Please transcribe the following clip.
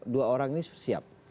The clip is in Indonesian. dua orang ini siap